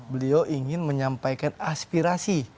beliau ingin menyampaikan aspirasi